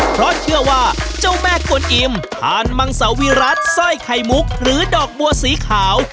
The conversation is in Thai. เพราะเชื่อว่าเจ้าแม่กวนอิ่มทานมังสาวิรัติสร้อยไข่มุกหรือดอกบัวสีขาว